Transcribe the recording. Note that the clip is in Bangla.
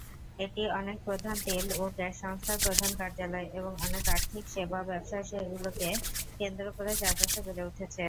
এটি অনেক প্রধান তেল ও গ্যাস সংস্থার প্রধান কার্যালয়, এবং অনেক আর্থিক সেবা ব্যবসা সেগুলোকে কেন্দ্র করে চারপাশে বেড়ে উঠেছে।